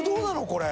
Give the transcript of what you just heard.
これ」